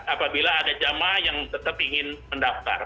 apabila ada jemaah yang tetap ingin mendaftar